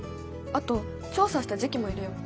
あと調査した時期も入れよう。